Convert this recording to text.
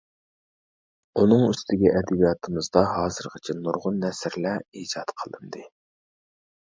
ئۇنىڭ ئۈستىگە ئەدەبىياتىمىزدا ھازىرغىچە نۇرغۇن نەسرلەر ئىجاد قىلىندى.